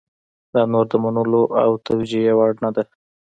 دا نور د منلو او توجیه وړ نه ده.